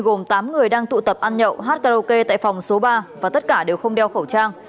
gồm tám người đang tụ tập ăn nhậu hát karaoke tại phòng số ba và tất cả đều không đeo khẩu trang